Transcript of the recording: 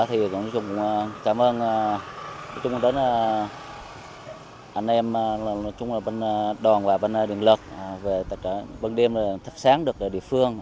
thì cảm ơn anh em bên đoàn và bên điện lực về tài trợ bên điện lực thấp sáng được địa phương